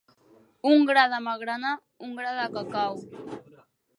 Un gra de magrana, un gra de cacau.